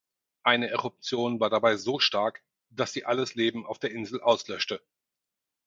Eine Eruption war dabei so stark, dass sie alles Leben auf der Insel auslöschte.